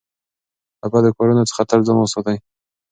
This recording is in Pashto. له بدو کارونو څخه تل ځان وساتئ.